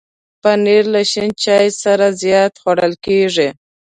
پنېر له شین چای سره زیات خوړل کېږي.